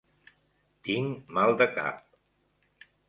Tinc mal de cap.